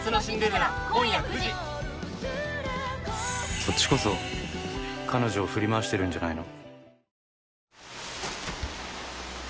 「そっちこそ彼女を振り回してるんじゃないの？」